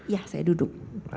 ya saya duduk